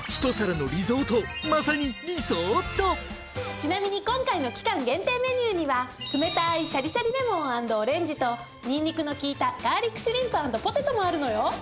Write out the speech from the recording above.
ちなみに今回の期間限定メニューには冷たいしゃりしゃりレモン＆オレンジとニンニクの効いたガーリックシュリンプ＆ポテトもあるのよ。